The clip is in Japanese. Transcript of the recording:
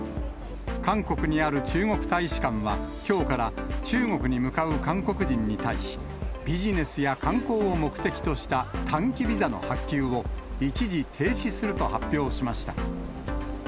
韓国にある中国大使館は、きょうから中国に向かう韓国人に対し、ビジネスや観光を目的とした短期ビザの発給を、一時停止すると発表しました。